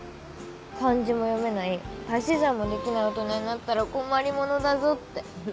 漢字も読めない足し算もできない大人になったら困りものだぞって。